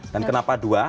dan kenapa dua